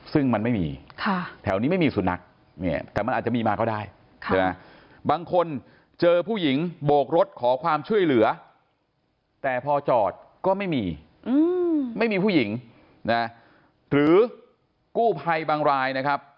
สวัสดีครับสวัสดีครับ